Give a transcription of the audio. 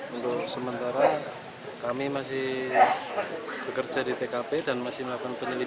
untuk sementara kami masih bekerja di tkp dan masih melakukan penyelidikan